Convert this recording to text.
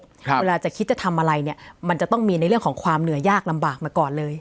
เวลาจะคิดจะทำอะไรเนี่ยมันจะต้องมีในเรื่องของความเหนื่อยยากลำบากมาก่อนเลย